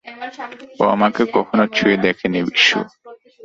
ও আমাকে কখনও ছুঁয়েও দেখেনি, বিশু।